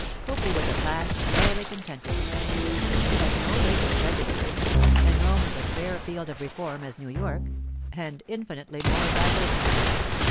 Copley was at last thoroughly contented; he had no racial prejudices, and Rome was as fair a field of reform as New York—and infinitely more diverting.